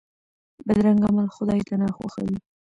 بدرنګه عمل خدای ته ناخوښه وي